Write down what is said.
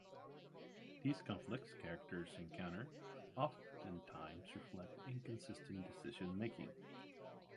These conflicts characters encounter oftentimes reflect inconsistent decision making.